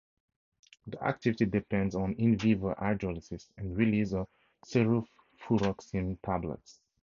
The activity depends on "in vivo" hydrolysis and release of cefuroxime tablets.